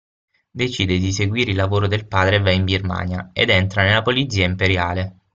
Decide di seguire il lavoro del padre e va in Birmania ed entra nella Polizia Imperiale.